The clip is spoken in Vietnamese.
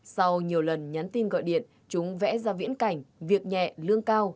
sau nhiều lần nhắn tin gọi điện chúng vẽ ra viễn cảnh việc nhẹ lương cao